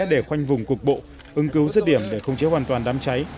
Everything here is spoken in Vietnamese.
để khoanh vùng cuộc bộ ứng cứu rứt điểm để không chế hoàn toàn đám cháy